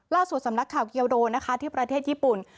สำนักข่าวเกียวโดนะคะที่ประเทศญี่ปุ่น